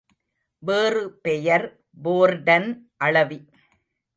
வேறு பெயர் போர்டன் அளவி.